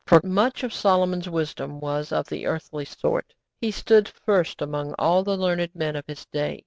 ] For much of Solomon's wisdom was of the earthly sort. He stood first among all the learned men of his day.